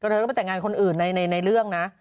เธอก็ไปแต่งงานคนอื่นในเรื่องนะ